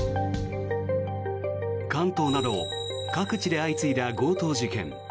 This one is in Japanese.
関東など各地で相次いだ強盗事件。